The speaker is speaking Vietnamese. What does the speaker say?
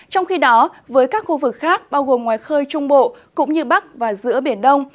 trong khi đó với các khu vực khác bao gồm ngoài khơi trung bộ cũng như bắc và giữa biển đông